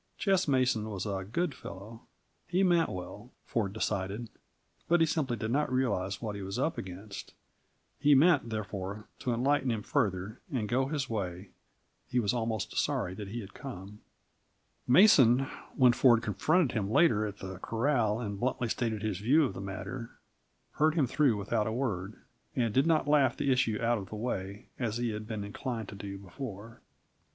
Ches Mason was a good fellow; he meant well, Ford decided, but he simply did not realize what he was up against. He meant, therefore, to enlighten him further, and go his way. He was almost sorry that he had come. Mason, when Ford confronted him later at the corral and bluntly stated his view of the matter, heard him through without a word, and did not laugh the issue out of the way, as he had been inclined to do before.